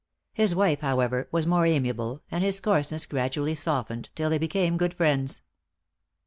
His wife, however, was more amiable; and his coarseness gradually softened, till they became good friends.